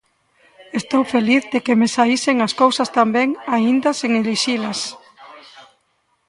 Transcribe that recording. Estou feliz de que me saísen as cousas tan ben, aínda sen elixilas.